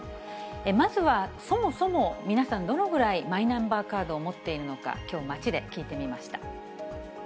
まずはそもそも、皆さん、どのぐらいマイナンバーカードを持っているのか、きょう、街で聞いてみました。